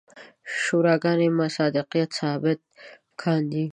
شوراګانې مصداقیت ثابت کاندي.